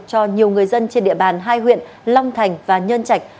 cho nhiều người dân trên địa bàn hai huyện long thành và nhân trạch